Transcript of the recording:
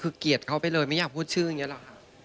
คือเกลียดเขาไปเลยไม่อยากพูดชื่ออย่างนี้หรอกค่ะ